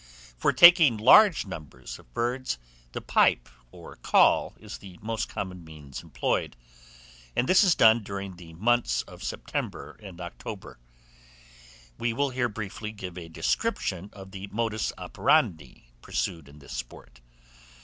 For taking large numbers of birds, the pipe or call is the most common means employed; and this is done during the months of September and October. We will here briefly give a description of the modus operandi pursued in this sport.